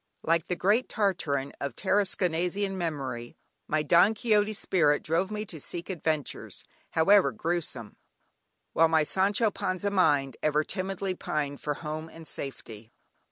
Like the great "Tartarin" of "Tarasconnasian" memory, my "Don Quixote" spirit drove me to seek adventures, however gruesome, while my "Sancho Panza" mind ever timidly pined for home and safety.